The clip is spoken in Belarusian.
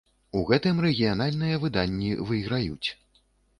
У гэтым рэгіянальныя выданні выйграюць.